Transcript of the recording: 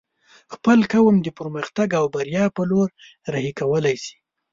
خپل قوم د پرمختګ او بريا په لوري رهي کولی شې